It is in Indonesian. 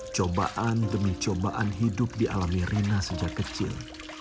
cobaan demi cobaan hidup di alami rina sejak kecil